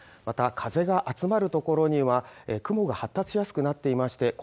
また風が集まるところには雲が発達しやすくなっていまして